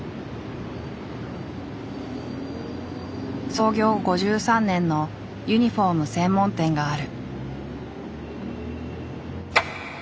創業５３年のユニフォーム専門店がある。